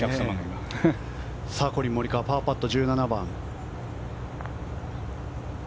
コリン・モリカワパーパット、１７番。